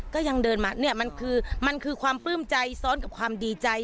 ก็ยังเดินมาเนี่ยมันคือมันคือความปลื้มใจซ้อนกับความดีใจ